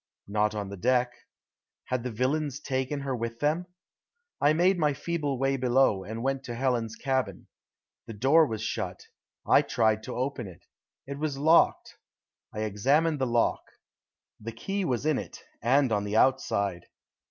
Not on the deck. Had the villains taken her with them? I made my feeble way below and went to Helen's cabin. The door was shut. I tried to open it. It was locked. I examined the lock. The key was in it, and on the outside.